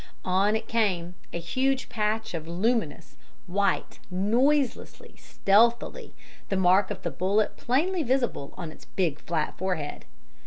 On it came, a huge patch of luminous white, noiselessly, stealthily the mark of the bullet plainly visible on its big, flat forehead.